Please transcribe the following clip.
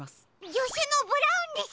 じょしゅのブラウンです！